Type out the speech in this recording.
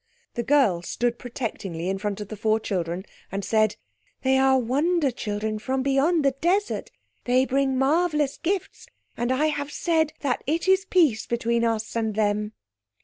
The girl stood protectingly in front of the four children, and said— "They are wonder children from beyond the desert. They bring marvellous gifts, and I have said that it is peace between us and them."